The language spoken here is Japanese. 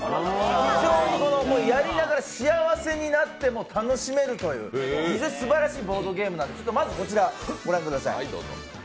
非常に、やりながら幸せになって楽しめるという、すばらしいボードゲームなんですが、まずこちら、ご覧ください。